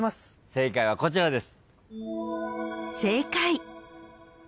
正解はこちらです。